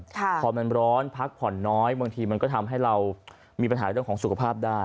พอมันร้อนพักผ่อนน้อยบางทีมันก็ทำให้เรามีปัญหาเรื่องของสุขภาพได้